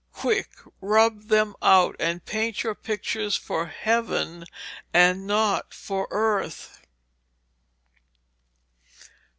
Quick, rub them out, and paint your pictures for heaven and not for earth.'